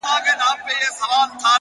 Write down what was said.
ژمنتیا د موخې او عمل پُل دی’